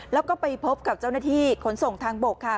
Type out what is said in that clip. แล้วก็ไปพบกับเจ้าหน้าที่ขนส่งทางบกค่ะ